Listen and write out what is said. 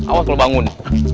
awas kalau bangun